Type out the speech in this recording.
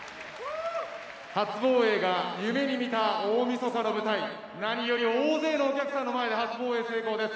初防衛が夢に見た大みそかの舞台何より大勢のお客さんの前で初防衛成功です。